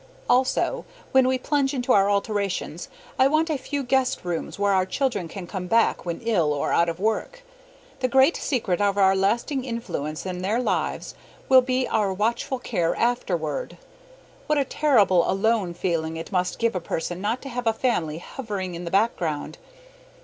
Also, when we plunge into our alterations, I want a few guest rooms where our children can come back when ill or out of work. The great secret of our lasting influence in their lives will be our watchful care afterward. What a terrible ALONE feeling it must give a person not to have a family hovering in the background!